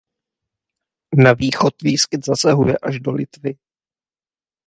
Na východ výskyt zasahuje až do Litvy.